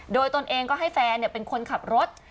โดยตนเองก็ให้แฟนเป็นคนขับรถ